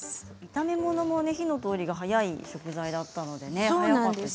炒め物も火の通りが早い食材だったのでね。